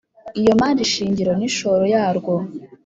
Iyo mari shingiro n’ishoro yarwo]